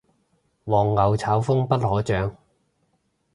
黃牛炒風不可長